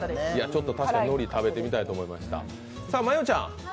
ちょっと確かに海苔を食べてみたいなと思いました。